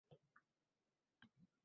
guvohnoma beradi;